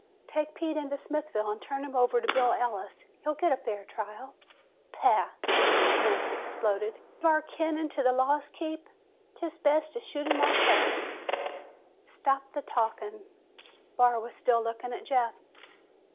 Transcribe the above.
"Take Pete into Smithville and turn him over to Bill Ellis. He'll get a fair trial." "Pah!" Yancey exploded. "Give our kin into the law's keep? 'Tis best to shoot him ourselves!" "Stop the talkin'." Barr was still looking at Jeff.